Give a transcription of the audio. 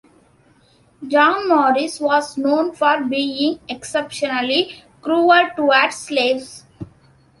John Maurice was known for being exceptionally cruel towards slaves.